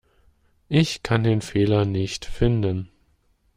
Ich kann den Fehler nicht finden.